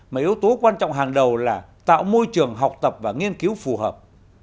mà yếu tố quan trọng hàng đầu là tạo môi trường học tập và nghiên cứu phù hợp